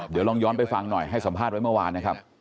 เดี๋ยวลองย้อนไปฟังหน่อยให้สัมภาษณ์ไว้เมื่อวานนะครับ